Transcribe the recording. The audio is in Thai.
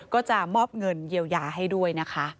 ก็จะมอบเงินเยียวยาให้ด้วยนะคะ